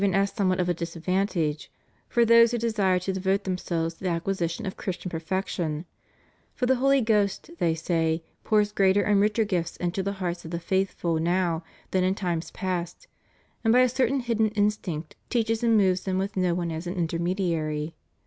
as somewhat of a disadvantage, for those who desire to devote themselves to the acquisition of Christian perfec tion; for the Holy Ghost, they say, pours greater and richer gifts into the hearts of the faithful now than in times past; and by a certain hidden instinct teaches and moves them with no one as an intermediary.